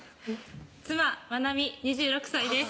妻・愛海２６歳です